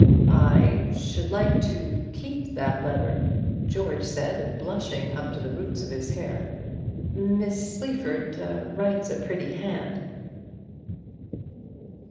"I should like to keep that letter," George said, blushing up to the roots of his hair. "Miss Sleaford writes a pretty hand."